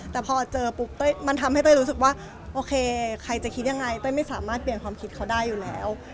แต่พอเจอปุ๊บมันทำให้เต้ยรู้สึกว่าโอเคใครจะคิดยังไงเต้ยไม่สามารถเปลี่ยนความคิดเขาได้อยู่แล้ว